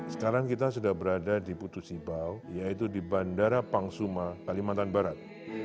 sekarang kita sudah berada di putus ibau yaitu di bandara pangsuma kalimantan barat